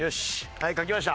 はい書きました。